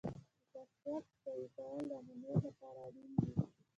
د پاسورډ قوي کول د امنیت لپاره اړین دي.